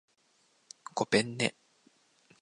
ごぺんね